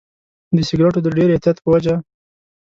د سیګریټو د ډېر اعتیاد په وجه.